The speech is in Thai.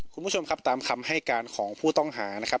คุณผู้ชมครับตามคำให้การของผู้ต้องหานะครับ